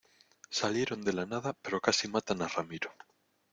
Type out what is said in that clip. salieron de la nada, pero casi matan a Ramiro.